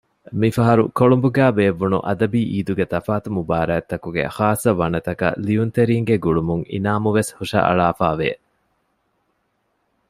މިފަހަރު ކޮޅުނބުގައި ބޭއްވުނު އަދަބީ އީދުގެ ތަފާތު މުބާރާތްތަކުގެ ޚާއްޞަ ވަނަތަކަށް ލިޔުންތެރީންގެ ގުޅުމުން އިނާމު ވެސް ހުށަހަޅާފައިވެ